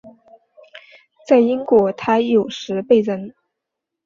在英国他有时被人。